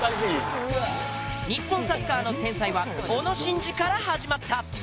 日本サッカーの天才は小野伸二から始まった。